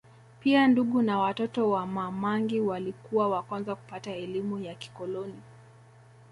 Pia ndugu na watoto wa Ma mangi walikuwa wa kwanza kupata elimu ya kikoloni